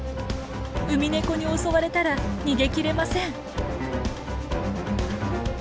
ウミネコに襲われたら逃げ切れません。